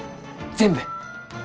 全部！？